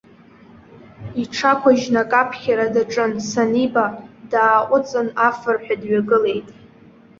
Иҽақәыжьны акы аԥхьара даҿын, саниба, дааҟәыҵын, афырҳәа дҩагылеит.